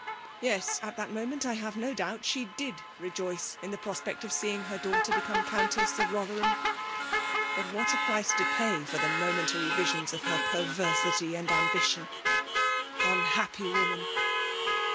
Yes; at that moment, I have no doubt she did rejoice in the prospect of seeing her dauf^ites become Countess of Botfaerhani. But what a price to pay for the momentary virions of her pervetsity and ambition! Unhap}^ wo« man!"